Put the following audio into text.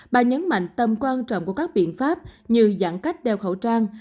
bà nhấn mạnh tầm quan trọng của các biện pháp như giãn cách đeo khẩu trang